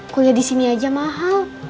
kuliah di sini aja mahal